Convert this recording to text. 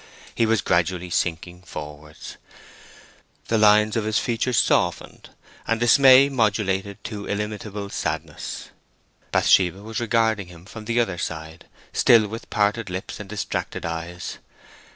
He was gradually sinking forwards. The lines of his features softened, and dismay modulated to illimitable sadness. Bathsheba was regarding him from the other side, still with parted lips and distracted eyes.